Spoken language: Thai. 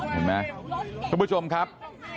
เห็นไหมทุกผู้ชมครับ